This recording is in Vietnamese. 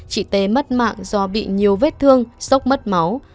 chị tê mất mạng do bị nhiều vết thương sốc mất máu